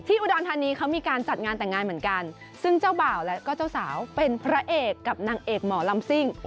อุดรธานีเขามีการจัดงานแต่งงานเหมือนกันซึ่งเจ้าบ่าวและก็เจ้าสาวเป็นพระเอกกับนางเอกหมอลำซิ่ง